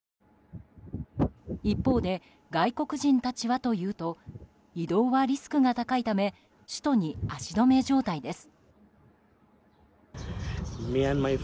一方で外国人たちはというと移動はリスクが高いため首都に足止め状態です。